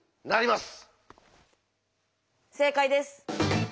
正解です。